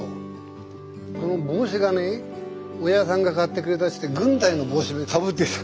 この帽子がねおやじさんが買ってくれたって軍隊の帽子かぶってた。